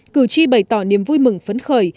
cử tri bày tỏ niềm vui mừng phấn khởi